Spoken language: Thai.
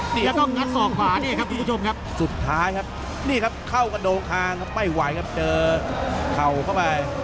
นี่เราก็กับสองขวาสุดท้ายนี่เข้ากระโดงคางไม่ไหวครับเจอเข้าเข้าไป